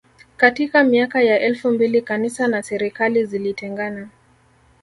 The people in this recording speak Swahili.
Katika miaka ya elfu mbili kanisa na serikali zilitengana